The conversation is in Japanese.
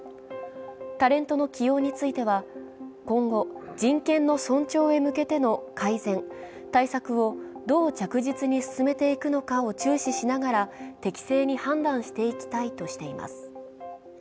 タレントの起用については、今後、人権の尊重へ向けての改善・対策をどう着実に進めていくのかを注視しながら適正に判断してきたいとしています。